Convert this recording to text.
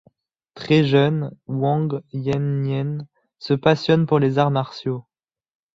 Très jeune, Wang Yen-nien se passionne pour les arts martiaux.